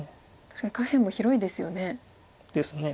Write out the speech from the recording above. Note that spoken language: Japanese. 確かに下辺も広いですよね。ですね。